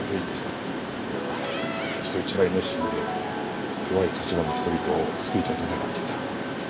人一倍熱心で弱い立場の人々を救いたいと願っていた。